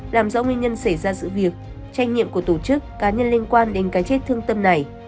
làm rõ nguyên nhân xảy ra sự việc trách nhiệm của tổ chức cá nhân liên quan đến cái chết thương tâm này